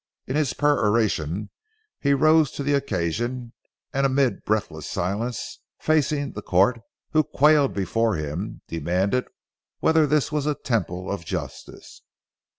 In his peroration he rose to the occasion, and amid breathless silence, facing the court, who quailed before him, demanded whether this was a temple of justice.